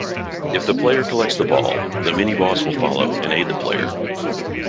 If the player collects the ball, the miniboss will follow and aid the player.